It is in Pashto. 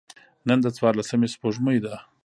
نن د څوارلسمي سپوږمۍ ده.